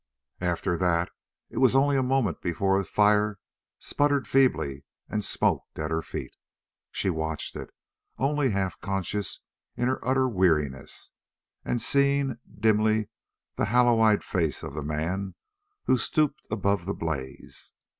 After that it was only a moment before a fire sputtered feebly and smoked at her feet. She watched it, only half conscious, in her utter weariness, and seeing dimly the hollow eyed face of the man who stooped above the blaze.